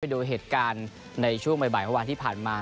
วันนี้ให้ดูเหตุการณ์ในช่วงบ่ายวันที่ผ่านมา